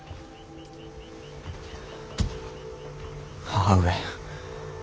母上。